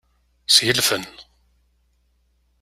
Sgelfen.